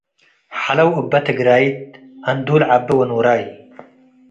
ሐለው እበ ትግረይት እንዱል ዐቤ ወኖራይ